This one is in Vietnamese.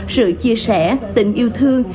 sự chia sẻ tình yêu thương